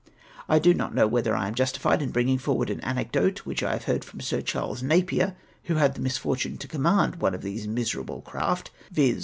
I do not know whether I am justi fied in brins^ino; forward an anecdote which I have heard from Sir Charles Napier, who had the misfortune to command one of these miserable craft ; viz.